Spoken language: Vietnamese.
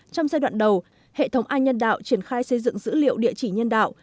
trong giai đoạn đầu hệ thống inhânđạo triển khai xây dựng dữ liệu địa chỉ nhân đạo